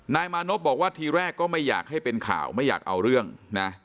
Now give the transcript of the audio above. นายมานพบอกว่าทีแรกก็ไม่อยากให้เป็นข่าวไม่อยากเอาเรื่องนะ